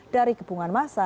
dari kepungan masa